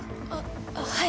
はい